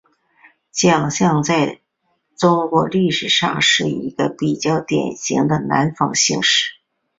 蒋姓在中国历史上是一个比较典型的南方姓氏。